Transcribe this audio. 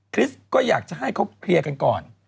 ริสก็อยากจะให้เขาเคลียร์กันก่อน